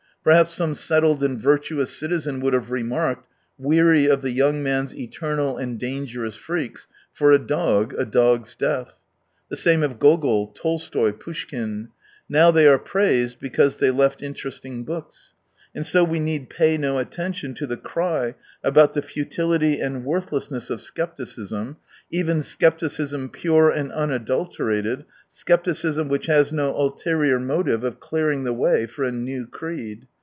Perhaps some settled and virtuous citizen would have remarked, weary of the young man's eternal and dangerous freaks :" For a dog a dog's death." The same of Gogol, Tolstoy, Poushkin. Now they are praised because they left interesting books. ... And so we need pay no atten tion to the cry about the futility and worth lessness of scepticism, even scepticism pure and unadulterated, scepticism which has no ulterior motive of clearing the way for a new creed.